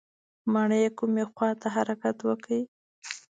مڼې کومې خواته حرکت وکړي؟